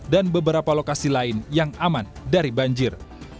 dan beberapa lokasi lain yang aman dari banjir